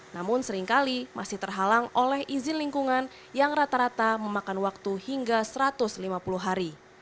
namun seringkali masih terhalang oleh izin lingkungan yang rata rata memakan waktu hingga satu ratus lima puluh hari